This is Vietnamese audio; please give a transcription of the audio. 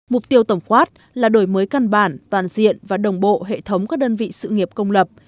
mục tiêu tổng quát là đổi mới căn bản toàn diện và đồng bộ hệ thống các đơn vị sự nghiệp công lập